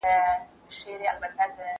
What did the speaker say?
زه درسونه اورېدلي دي،